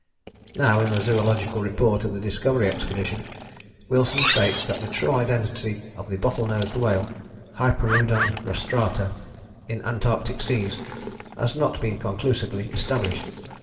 Now in the Zoological Report of the Discovery Expedition Wilson states that the true identity of the Bottle nosed whale (Hyperoodon rostrata) in Antarctic Seas has not been conclusively established.